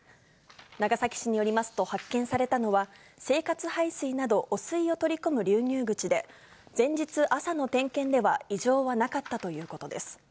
長崎市によりますと、発見されたのは、生活排水など、汚水を取り込む流入口で、前日朝の点検では異常はなかったということです。